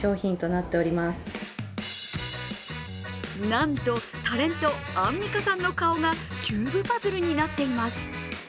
なんと、タレント・アンミカさんの顔がキューブパズルになっています。